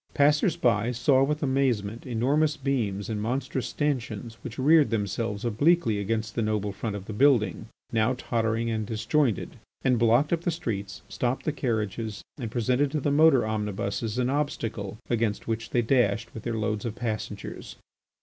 Passers by saw with amazement enormous beams and monstrous stanchions which reared themselves obliquely against the noble front of the building, now tottering and disjointed, and blocked up the streets, stopped the carriages, and presented to the motor omnibuses an obstacle against which they dashed with their loads of passengers.